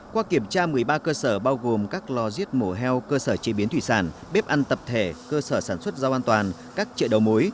qua kiểm tra một mươi ba cơ sở bao gồm các lò giết mổ heo cơ sở chế biến thủy sản bếp ăn tập thể cơ sở sản xuất rau an toàn các chợ đầu mối